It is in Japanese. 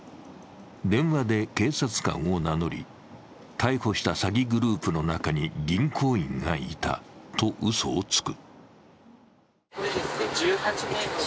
電話で警察官を名乗り逮捕した詐欺グループの中に銀行員がいたとうそをつく。